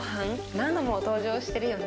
何度も登場してるよね。